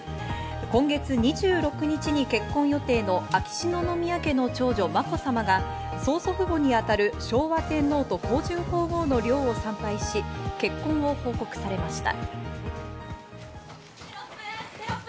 今月２６日に結婚予定の秋篠宮家の長女・まこさまが曾祖父母にあたる、昭和天皇と香淳皇后の陵を参拝し、結婚を報告されました。